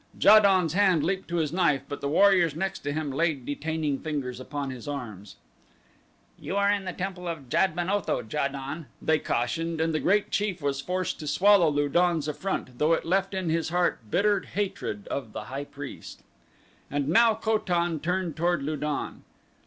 Ja don's hand leaped to his knife, but the warriors next him laid detaining fingers upon his arms. "You are in the temple of Jad ben Otho, Ja don," they cautioned and the great chief was forced to swallow Lu don's affront though it left in his heart bitter hatred of the high priest. And now Ko tan turned toward Lu don.